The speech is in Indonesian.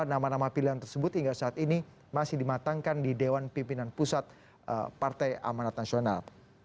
nama nama pilihan tersebut hingga saat ini masih dimatangkan di dewan pimpinan pusat partai amanat nasional